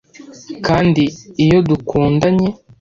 kandi iyo dukundanye